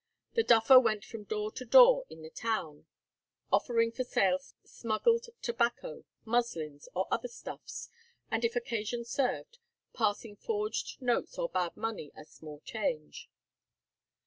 The "duffer" went from door to door in the town, offering for sale smuggled tobacco, muslins, or other stuffs, and, if occasion served, passing forged notes or bad money as small change.